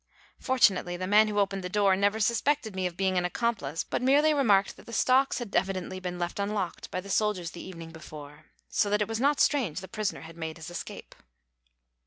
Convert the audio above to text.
Fortunately the man who opened the door never suspected me of being an accomplice, but merely remarked that the stocks had evidently been left unlocked by the soldiers the evening before, so that it was not strange the prisoner had made his escape.